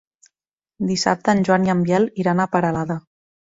Dissabte en Joan i en Biel iran a Peralada.